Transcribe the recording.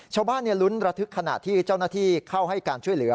ชาวบ้านลุ้นระทึกขณะที่เจ้าหน้าที่เข้าให้การช่วยเหลือ